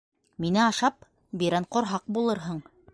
Мине ашап, бирән ҡорһаҡ булырһың.